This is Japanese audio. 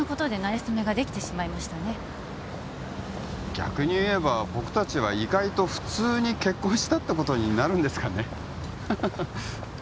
逆にいえば僕達は意外と普通に結婚したってことになるんですかねハハハ